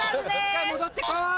一回戻ってこい！